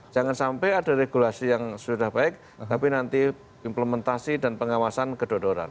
jangan sampai ada regulasi yang sudah baik tapi nanti implementasi dan pengawasan kedodoran